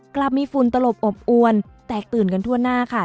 กลับมีฝุ่นตลบอบอวนแตกตื่นกันทั่วหน้าค่ะ